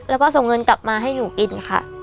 แล้วก็ส่งเงินกลับมาให้หนูกินค่ะ